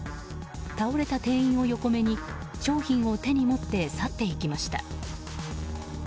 倒れた店員を横目に商品を手に持って去っていきました。